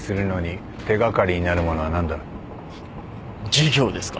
授業ですか。